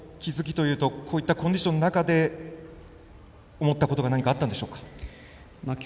気づきというとこういったコンディションの中で思ったことが何かあったんでしょうか。